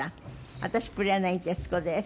私黒柳徹子です。